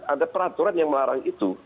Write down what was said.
ada peraturan yang melarang itu